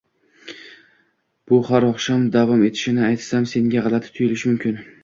Bu har oqshom davom etishini aytsam senga g'alati tuyulishi mumkin